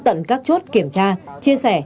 tận các chốt kiểm tra chia sẻ